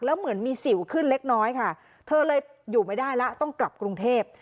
แล้วเหมือนมีสิวขึ้นเล็กน้อยค่ะเธอเลยอยู่ไม่ได้แล้วต้องกลับกรุงเทพ